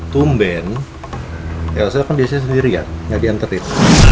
tumben elsa kan biasanya sendiri ya gak diantetin